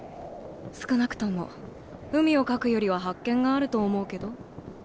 少なくとも海を描くよりは発見があると思うけど。